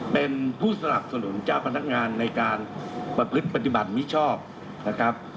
เป็นผู้สนับสนุนเจ้าพนักงานในการประพฤติปฏิบัติมิชอบนะครับ